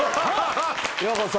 ようこそ。